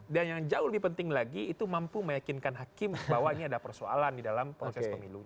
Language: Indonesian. dan yang jauh lebih penting lagi itu mampu meyakinkan hakim bahwa ini ada persoalan di dalam proses pemilu